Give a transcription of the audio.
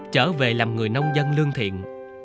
trở về làm người nông dân lương thiện